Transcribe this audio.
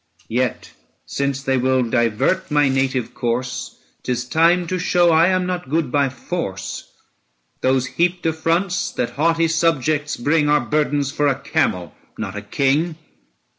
Yet since they will divert my native course, 'Tis time to show I am not good by force. 950 Those heaped affronts that haughty subjects bring Are burdens for a camel, not a king.